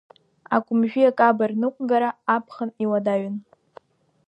Акәымжәи акабеи рныҟәгара аԥхын иуадаҩын.